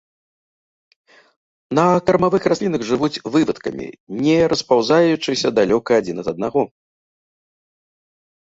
На кармавых раслінах жывуць вывадкамі, не распаўзаючыся далёка адзін ад аднаго.